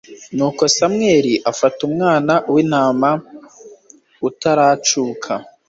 nuko samweli afata umwana w'intama utaracuka